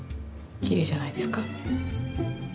きれいじゃないですか？